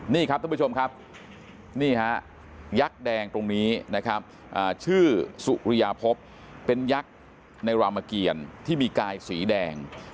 นี่ครับท่านผู้ชมครับนี่ฮะยักษ์แดงตรงนี้นะครับชื่อสุริยาพบเป็นยักษ์ในรามเกียรที่มีกายสีแดง